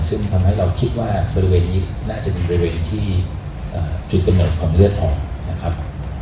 ซึ่งทำให้เราคิดว่าบริเวณนี้น่าจะมีบริเวณที่จุดกำเนิดของเลือดออกนะครับ